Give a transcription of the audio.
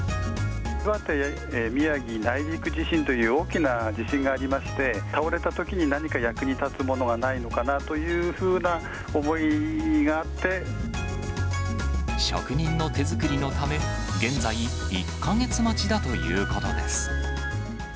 岩手・宮城内陸地震という大きな地震がありまして、倒れたときに何か役に立つものはないのかなというふうな思いがあ職人の手作りのため、現在、１か月待ちだということです。